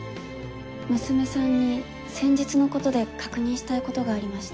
娘さんに先日のことで確認したいことがありまして。